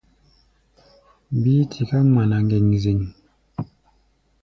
Bíí tiká ŋmana ŋgeŋzeŋ.